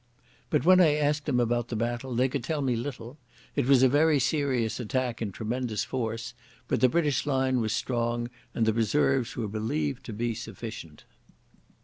But when I asked them about the battle they could tell me little. It was a very serious attack in tremendous force, but the British line was strong and the reserves were believed to be sufficient.